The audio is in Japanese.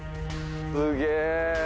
すげえ。